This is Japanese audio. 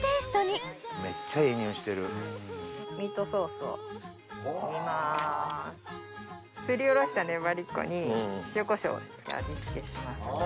すりおろしたねばりっこに塩コショウで味付けします。